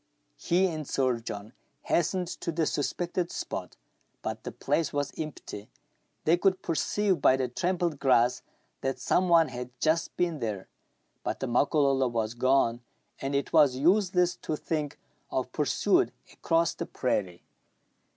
He and Sir John hastened to the suspected spot. But the place was empty : they could perceive by the trampled grass that some one had just been there ; but the Makololo was gone, and it was useless to think of pursuit across the prairie.